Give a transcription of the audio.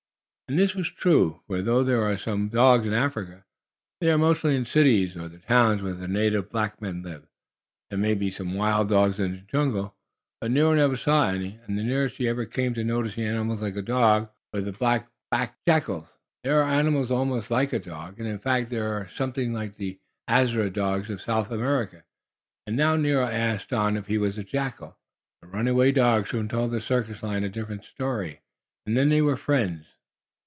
And this was true, for though there are some dogs in Africa, they are mostly in cities or the towns where the native black men live. There may be some wild dogs in the jungle, but Nero never saw any, and the nearest he ever came to noticing animals like a dog were the black backed jackals. These are animals, almost like a dog, and, in fact, are something like the Azara dogs of South America, and now Nero asked Don if he was a jackal. But the runaway dog soon told the circus lion a different story, and then they were friends.